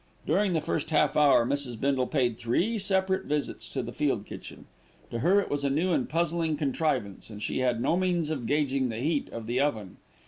During the first half hour Mrs. Bindle paid three separate visits to the field kitchen. To her it was a new and puzzling contrivance, and she had no means of gauging the heat of the oven.